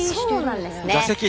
そうなんですね。